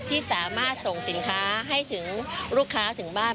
ที่สามารถส่งสินค้าให้ถึงลูกค้าถึงบ้าน